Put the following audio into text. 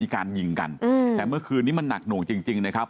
มีการยิงกันอืมแต่เมื่อคืนนี้มันหนักหน่วงจริงจริงนะครับ